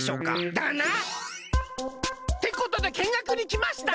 だな！ってことでけんがくにきました！